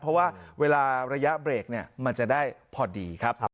เพราะว่าเวลาระยะเบรกมันจะได้พอดีครับ